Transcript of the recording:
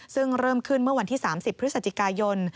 ซึ่งเริ่มขึ้นเมื่อวันที่๓๐พฤศจิกายน